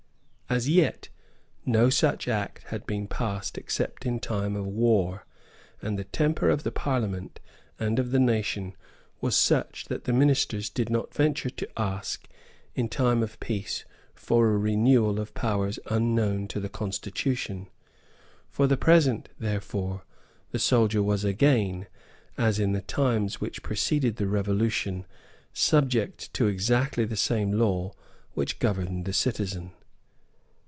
As yet no such Act had been passed except in time of war; and the temper of the Parliament and of the nation was such that the ministers did not venture to ask, in time of peace, for a renewal of powers unknown to the constitution. For the present, therefore, the soldier was again, as in the times which preceded the Revolution, subject to exactly the same law which governed the citizen.